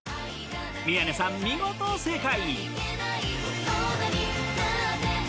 宮根さん見事正解！